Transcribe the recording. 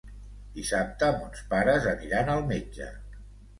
Dissabte mons pares aniran al metge.